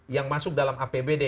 yang masuk dalam apbd